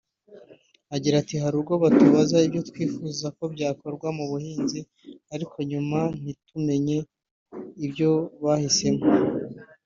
Agira ati “Hari ubwo batubaza ibyo twifuza ko byakorwa mu buhinzi ariko nyuma ntitumenye ibyo bahisemo